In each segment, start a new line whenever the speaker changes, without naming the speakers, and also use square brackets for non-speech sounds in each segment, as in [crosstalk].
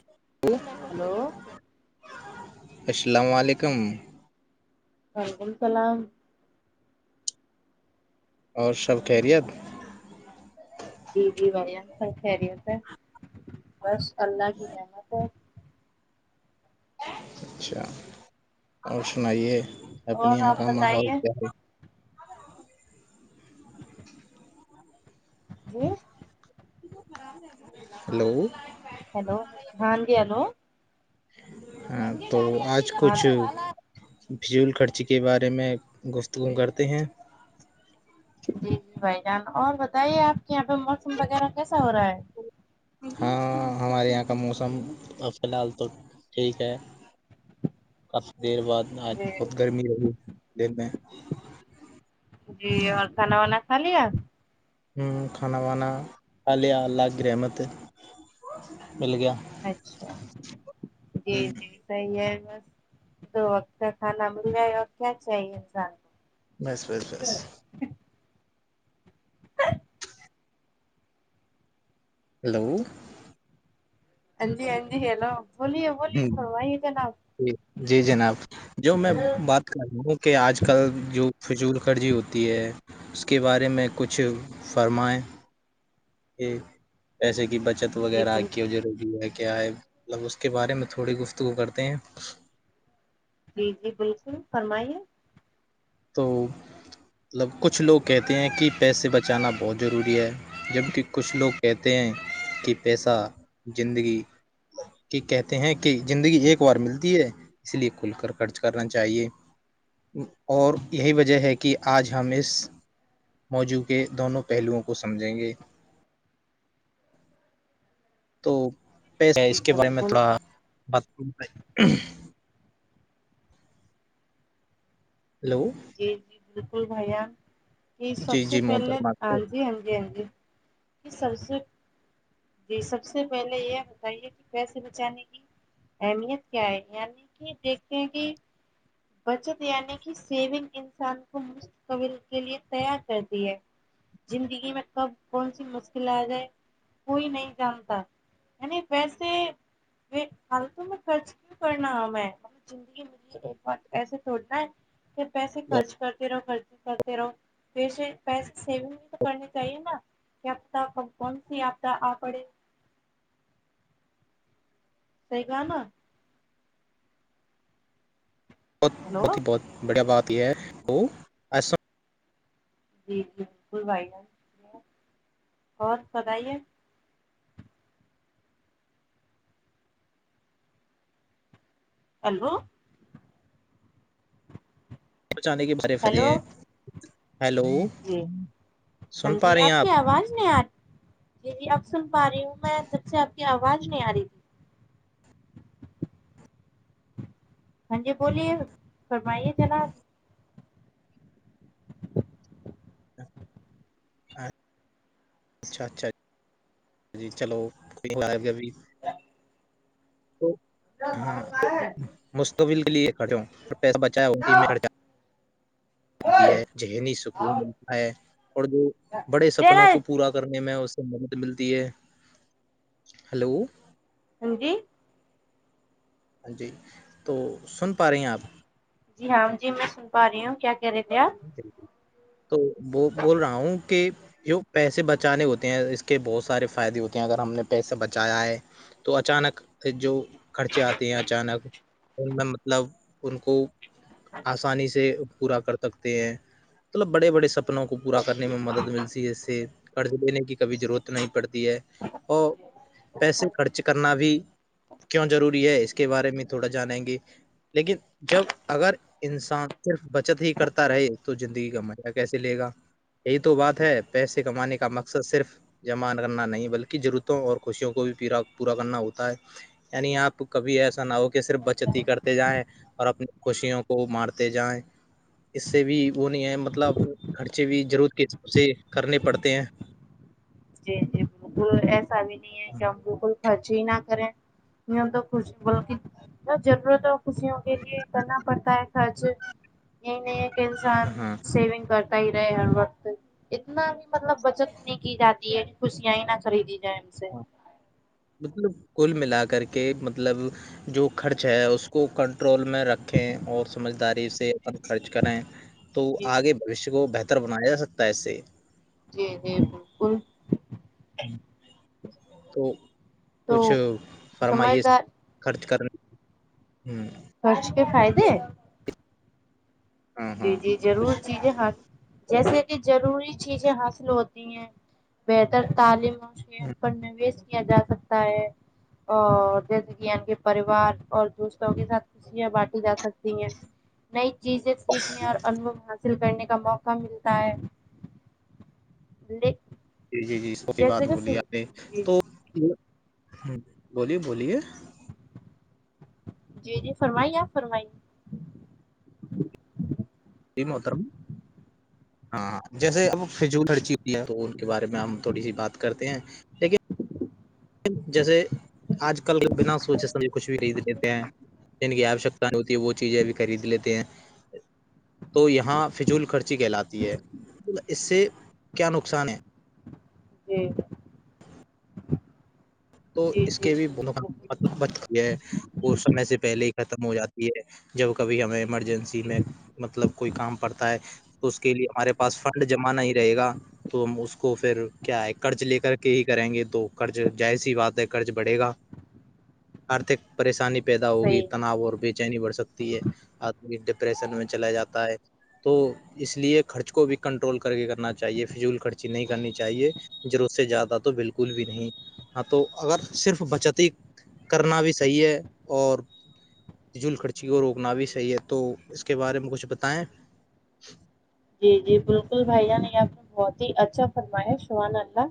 ہ [inaudible]
ہلو
السلام علیکم
وعلیکم السلام
اور سب خیریت
ج جی بھائیان سب خیریت ہے بس اللہ کی رحمت ہے
اچھا اور سنائیے اپنے
اور
یہاں
آپ
کا ماحول
بتائیے
کیا ہے
جی [inaudible]
ہلو
ہیلو ہاں جی ہلو
ہاں تو آج
ہاں
کچھ فضول خرچی کے بارے میں گفتگو کرتے ہیں
جی جی بھائی جان اور بتائیے آپ کے یہاں پہ موسم وغیرہ کیسا ہو رہا ہے
ہاں ہمارے یہاں کا موسم فی الحال تو ٹھیک ہے کافی دیر بعد آج
ہے
بہت
جی
گرمی رہی دیر میں
جی اور کھانا وانا کھا لیا
ہ کھانا وانا خالیہ اللہ گرمت مل گیا
اچھا جی
ہ
جی صحیح ہے بس دو وقت کا کھانا مل جائے اور کیا چاہیے انسان کو
بس بس بس ہیلو
ہاں جی ہاں جی ہیلو بولیے بولیے فرمائیے جناب
ج جی جناب جو میں بات وں کہ آج کل جو فضول خرضی ہوتی ہے اس کے بارے میں کچھ فرمائیں پیسے کی بچت
جی
وغیرہ
بال
کی جری ہے کیا ہے مطلب اس کے بارے میں تھوڑی گفتگو کرتے ہیں
جی جی بالکل فرمائیے
تو مطلب کچھ لوگ کہتے ہیں کہ پیسے بچانا بہت ضروری ہے جبکہ کچھ لوگ کہتے ہیں کہ پیسہ زندگی کہ کہتے ہیں کہ زندگی ایک بار ملتی ہے اس لیے کھل کر خرچ کرنا چاہیے اور یہی وجہ ہے کہ آج ہم اس موضوع کے دونوں پہلوؤں کو سمجھیں گے تو پسے
جی
اس کے بارے میں
بالکل
تھوڑا بتاں ہلو
جی جی بالکل بھیا کہ سب
جی
سے
جی
پہلے
محترمہ
ہاں
تو
جی ہاں جی ہاں جی سب سے جی سب سے پہلے یہ بتائیے کہ کیسے بچانے کی اہمیت کیا ہے یعنی کہ دیکھتے ہیں کہ بچت یعنی کی سیگ انسان کو مستقبل کے لیے تیار کرتی ہے زندگی میں کب کون سی مشکلاتیں کوئی نہیں جانتا یعنی ویسے حالتوں میں خرچ کیوں کرنا ہے میں زندگی مجے ایک بات ایسے سوچنا ہے کہ پیسے خرچ کرتے رہو خرچ کرتے رہو پیسے پیسے سیونگ بھی تو کرنی چاہیے نا تا ک کون س آتا آ سہی کھا نہ
بہت
ہلو
بہت ہی بہت بڑیا بات یہ ہے تو ایسا
جی جی بالکل بھائی جان بہت پت ہی ہے ہیلو
پچانے کے بارے فتح
ہلو
ہیں ہیلو
جی ہاں
سن
جی
پا رہی
آپ
ہیں
کی آواز میں آج جی جی آپ سن پا رہی ہوں میں جب سے آپ کی آواز نہیں آ رہی تھی ہاں جی بولیے فرمائیے جنا
اچھا اچھا جی چلو کو گ بھی ہاں
دینا
مستقبل کے لیے کھڑے پیسہ بچائےیا ہوتی مل ہے ذہنی سکون ملتا ہے اور جو بڑے سپنوں کو پورا کرنے میں اس مدد ملتی ہے ہلو
جی
جی تو سن پا رہی ہیں آپ
جی ہاں جی میں سن پا رہی ہوں کیا کہہ رہے تھے آپ
تو وہ بول رہا ہوں کہ جو پیسے بچانے ہوتے ہیں اس کے بہت سارے فائدے ہوتے ہیں اگر ہم نے پیسے بچایا ہے تو اچانک جو خرچے آتے ہیں اچانک ان میں مطلب ان کو آسانی سے پورا کر سکتے ہیں مطلب بڑے بڑے سب کو پورا کرنے میں مدد ملتی ہے اس سے قرض لینے کی کبھی ضرورت نہیں پڑتی ہے اور پیسے خرچ کرنا بھی کیوں ضروری ہے اس کے کے بارے میں تھوڑا جانیں گے لیکن جب اگر انسان صرف بچت ہی کرتا رہے تو زندگی کا مزہ کیسے لے گا یہی تو بات ہے پیسے کمانے کا مقصد صرف جمان کرنا نہیں بلکہ ضرورتوں اور خوشیوں کو بھی پا پورا کرنا ہوتا ہے یعنی آپ کبھی ایسا نہ ہو کہ صرف بچت ہی کرتے جائیں اور اپنی خوشیوں کو مارتے جائیں اس سے بھی وہ نہیں ہے مطلب خرچے بھی ضرورت کے حساب سے کرنے پڑتے ہیں
جی جی بالکل ایسا بھی نہیں ہے کہ ہم بالکل خرچ ہی نہ کریں تو خوش بولک ضرورت ہو خوشیوں کے لیے کرنا پڑتا ہے خرچ یہ نہیں انسان
ہاں
سیونگ کرتا ہی رہے ہر وقت اتنا بھی مطلب بچت نہیں کی جاتی خوشیاں ہی نہ خریدی جائے سے
مطلب کل ملا کر کے مطلب جو خرچ ہے اس کو کنٹرول میں رکھیں اور سمجھداری سے خرچ کریں تو
جی
آگے بھشیہ کو بہتر بنایا جا سکتا ہے اس سے
جی جی بالکل
تو
تو
کچھ فرمائیے
سمجھدار
خرچ کرنا ہوں
خرچ کے فائدے
ہاں
جی
ہاں
جی ضرور
کچھ
چیزیں ہاتھ جیسے کہ ضروری چیزیں حاصل ہوتی ہیں بہتر تعلیم
ہوں
پر نویش کیا جا سکتا ہے اور جیسے کہ کے پریوار اور دوستوں کے ساتھ خوشیاں بانٹی جا سکتی نئی چیزیں سیکھنے اور ان حاصل کرنے کا موقع ملتا ہے
جی جی جی صحی بات
جیسے کہ
بولیے
جی جی
تو بولیے بولیے
جی جی فرمائی آپ فرمائی
محترم ہاں جیسے اب فجول ہچی ہوئی ہے بارے میں ہم تھوڑی سی بات کرتے ہیں لیکن جیسے آج کل بنا سوچے سمجھ کچھ بھی نہیں دیتے ہیں جن کی آوشکتا نہیں ہوتی ہے وہ چیزیں بھی خرید لیتے ہیں تو یہاں فضول خرچی کہلاتی ہے اس سے کیا نقصان ہے
جی
تو
جی
اس
جی
کے بھی مق
جی
مط بچ چی ہے وہ سمے سے پہلے ہی ختم ہو جاتی ہے جب کبھی ہمیں ایمرجنسی میں
جی
مطلب کوئی کام پڑتا ہے تو اس کے لیے ہمارے پاس فنڈ جمع نہیں رہے گا تو ہم اس کو پھر کیا ہے قرض لے کر کے ہی کریں گے تو قرض جائس وات ہے قرض بڑھے گا آرتھک پریشانی پیدا ہوگی
صحیح
تناؤ اور بیچ چینی بڑھ سکتی ہے آدمی ڈپریشن میں چلا جاتا ہے تو اس لیے خرچ کو بھی کنٹرول کر کے کرنا چاہیے فضول خرچی نہیں کرنی چاہیے جر اس سے زیادہ تو بالکل بھی نہیں ہاں تو اگر صرف بچت ہی کرنا بھی صحیح ہے اور جل خرچی کو روکنا بھی صحیح ہے تو اس کے بارے میں کچھ بتائیں
جی جی بالکل بھائی جان یہ آپ نے بہت ہی اچھا فرما ہے شہان اللہ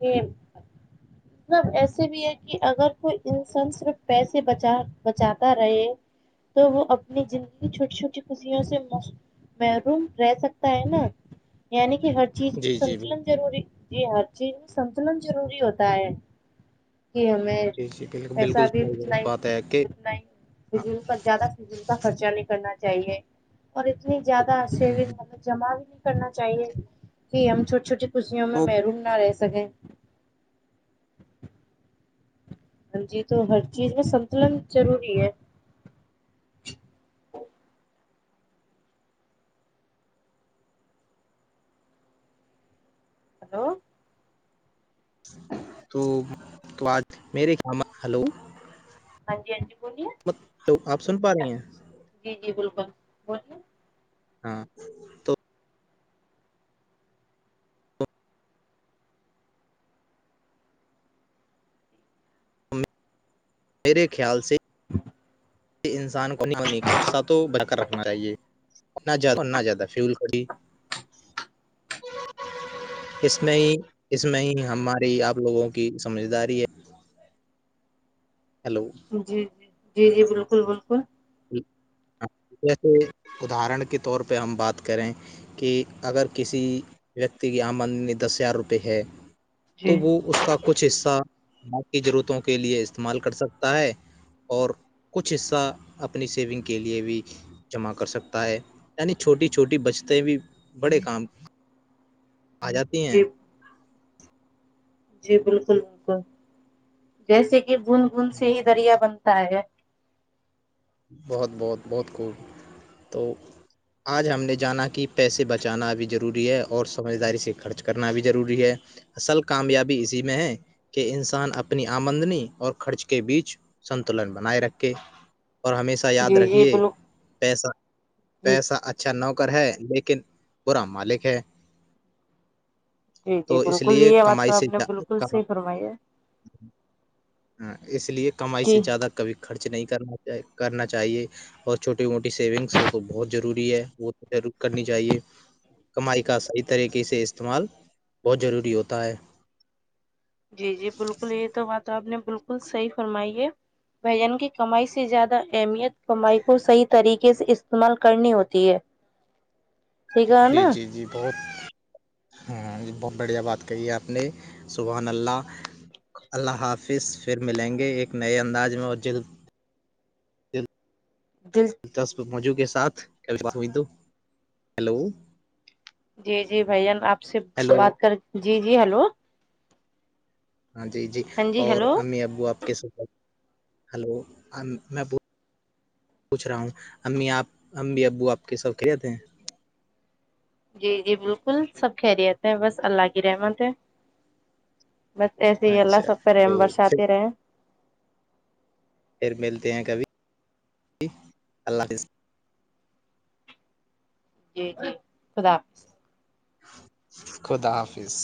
ا [unintelligible] مطلب ایسے بھی ہے کہ اگر کوئی انسان صرف پیسے بچا بچاتا رہے تو وہ اپنی زندگی چھوٹی چھوٹی خوشیوں سے ر رہ سکتا ہے نا یعنی کہ ہر چیز میں
جی جی بال-
سنتلن ضروری جی ہر چیز میں سنتلن ضروری ہوتا ہے کہ ہمیں
جی جی بالکل
پیسا
بالکل
بھی
صحیح
اتنا
بات ہے کہ
ہیتنا ہی
ہاں
فض پر زیادہ کا خرچہ نہیں کرنا چاہیے اور اتنی زیادہ
ہوں،
سیگ
ہوں۔
جمع بھی نہیں کرنا چاہیے کہ ہم چھوٹی چھوٹی کسیوں میں
تو
محروم نہ رہ سکیں جی تو ہر چیز میں سنتلن ضروری ہے ہلو
تو تو آج میرے خم ہلو
ہاں جی ہاں جی بولیے
تو آپ سن پا رہی ہیں
جی جی بالکل بولیے
ہاں تو میرے خیال سے
[unintelligible]
کہ انسان کو نہیں ہونے کا اصہ تو بن کر رکھنا چاہیے انا زیادہ انا زیادہ فیول کھڑی
[unintelligible]
اس میں ہی اس میں ہی ہماری آپ لوگوں کی سمجھداری ہے ہیلو
جی جی جی جی بالکل بالکل
جیسے ادرن کے طور پہ ہم بات کریں کہ اگر کسی ویکتی کی آمدنی دس ہزار روپئے ہے
جی
تو وہ اس کا کچھ حصہ ب کی ضرورتوں کے لئے استعمال کر سکتا ہے اور کچھ حصہ اپنی سیونگ کے لیے بھی جمع کر سکتا ہے یعنی چھوٹی چھوٹی بچتیں بھی بڑے کام آ جاتی ہیں
جی جی بالکل بالکل جیسے کہ بند بند سے ہی دریا بنتا ہے
بہت بہت بہت خوب تو آج ہم نے جانا کہ پیسے بچانا بھی ضروری ہے اور سمجھداری سے خرچ کرنا بھی ضروری ہے اصل کامیابی اسی میں ہے کہ انسان اپنی آمدنی اور خرچ کے بیچ سنتلن بنائے رکھے اور ہمیشہ یاد
جی جی
رکھیے
بالک
پیسہ
جی
پیسہ اچا اچھا نوکر ہے لیکن پورا مالک ہے
جی
تو
جی
اس
بالکل
لیئے
یہ بات تو
کمائی
آپ
سےم
نے بالکل صحیح فرمائی ہے
ہ اس لیے کمائی سے
جی
زیادہ کبھی خرچ نہیں کرنا کرنا چاہیے اور چھوٹی موٹی سیونگس تو بہت ضروری ہے وہ ضرور کرنی چاہیے کمائی کا صحیح طریقے سے استعمال بہت ضروری ہوتا ہے
جی جی بالکل یہ تو بات آپ نے بالکل صحیح فرمائی ہے بھجن کی کمائی سے زیادہ اہمیت کمائی کو صحیح طریقے سے استعمال کرنی ہوتی ہے [unintelligible]
جی
نا
جی جی بہت ہاں ج بہت بڑھیا بات کہی ہے آپ نے سبحان اللہ اللہ حافظ پھر ملیں گے ایک نئے انداز میں اور جد
دل
موجو کے ساتھ کبھی بات ہوئی تو ہیلو
جی جی بھان آپ سے
ہیلو
بات کر جی جی ہلو
ہاں جی جی
ہاں
اور
ہیلو
امی ابو آپ کے سات ہلو میں ابو پوچھ رہا ہوں امی آپ امی ابو آپ کے سب کھل جاتتے ہیں
جی جی بالکل سب کہہریے آتے ہیں بس اللہ کی رحمت ہے متسی یہ ال
اچھا
سوپ ر
تو
ورش
پھر
آتییر
پھر ملتے ہیں کبھی اللہ حافظ
جی جی خدا حاظ
خدا حافظ